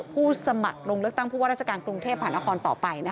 ผู้สมัครลงเลือกตั้งผู้ว่าราชการกรุงเทพหานครต่อไป